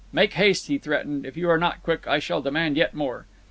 "Make haste," he threatened. "If you are not quick, I shall demand yet more."